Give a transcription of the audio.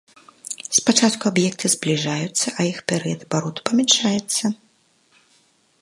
Спачатку аб'екты збліжаюцца, а іх перыяд абароту памяншаецца.